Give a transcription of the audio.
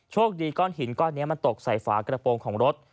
โชคดีก้อนหินก้อนนี้มันตกใส่ฝากระโปรงของรถ